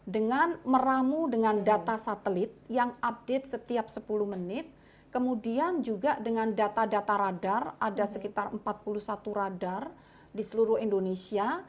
dengan meramu dengan data satelit yang update setiap sepuluh menit kemudian juga dengan data data radar ada sekitar empat puluh satu radar di seluruh indonesia